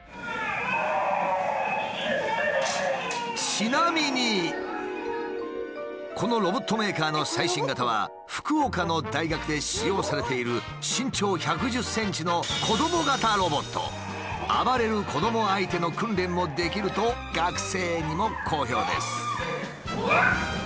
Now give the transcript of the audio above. ちなみにこのロボットメーカーの最新型は福岡の大学で使用されている身長１１０ｃｍの暴れる子ども相手の訓練もできると学生にも好評です。